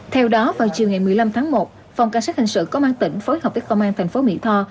theo đó vào chiều ngày một mươi năm tháng một phòng cảnh sát hình sự công an tỉnh phối hợp với công an thành phố mỹ tho